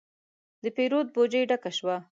د پیرود بوجي ډکه شوه.